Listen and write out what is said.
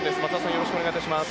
よろしくお願いします。